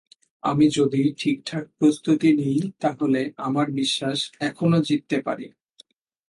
আমি যদি ঠিকঠাক প্রস্তুতি নিই তাহলে আমার বিশ্বাস এখনো জিততে পারি।